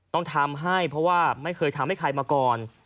ต้องทำให้เพราะว่าไม่เคยทำให้ใครมาก่อน